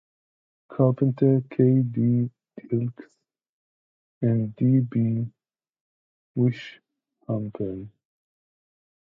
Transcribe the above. Carpenter, K., D. Dilkes, and D. B. Weishampel.